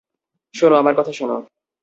শোনো, আমার কথা শোনো।